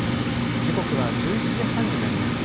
時刻は１１時半になりました。